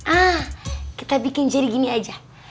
ah kita bikin jadi gini aja